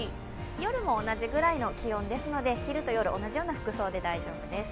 夜も同じくらいの気温ですので、昼と夜、同じような服装で大丈夫です。